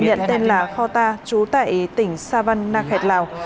khai thác nhận tên là kho ta chú tại tỉnh sa văn na khẹt lào